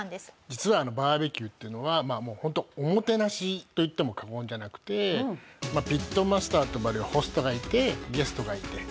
実はバーベキューっていうのはホントおもてなしと言っても過言じゃなくてピットマスターと呼ばれるホストがいてゲストがいて。